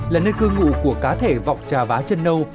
là nơi cư ngụ của cá thể vọc trà vá chân nâu